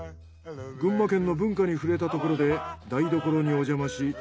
群馬県の文化に触れたところで台所におじゃまし。